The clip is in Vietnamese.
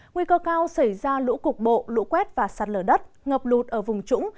nguy cơ cao xảy ra lũ cục bộ lũ quét và sạt lở đất ngập lụt ở vùng trũng